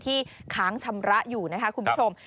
ค้างชำระอยู่นะคะคุณผู้ชม